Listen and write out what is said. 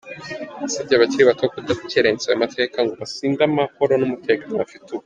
Yasabye abakiri bato kudakerensa ayo mateka, ngo basinde amahoro n’umutekano bafite ubu.